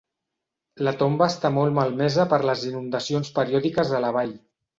La tomba està molt malmesa per les inundacions periòdiques a la Vall.